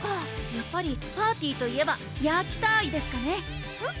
やっぱりパーティーといえばヤーキターイですかねうん？